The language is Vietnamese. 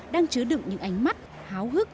đang chứa đựng những ánh mắt háo hức